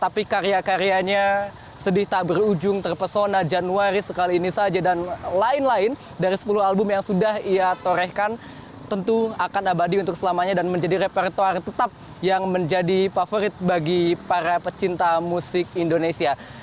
tapi karya karyanya sedih tak berujung terpesona januari sekali ini saja dan lain lain dari sepuluh album yang sudah ia torehkan tentu akan abadi untuk selamanya dan menjadi repertuar tetap yang menjadi favorit bagi para pecinta musik indonesia